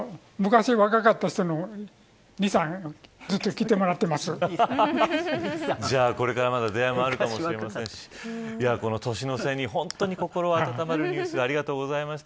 昔、若かった人のこれからまだ出会いもあるかもしれませんしこの年の瀬に、本当に心温まるニュースありがとうございました。